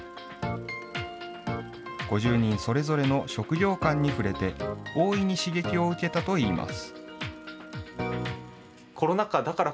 ５０人それぞれの職業観に触れて、大いに刺激を受けたといいます。